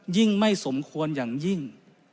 ยิ่งไม่สมควรอย่างยิ่ง